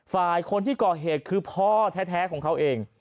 ฝ่ายคนที่ก่อเหตุคือพ่อแท้ของเขาเอง